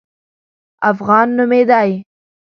افغان نومېدی.